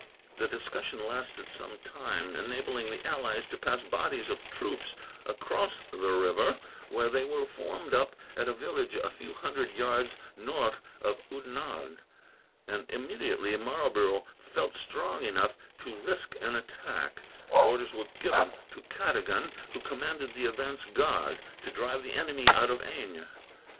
The discussion lasted some time, enabling the allies to pass bodies of troops across the river, where they were formed up at a village a few hundred yards north of Oudenarde; and immediately Marlborough felt strong enough to risk an attack, orders were sent to Cadogan, who commanded the advance guard, to drive the enemy out of Eynes.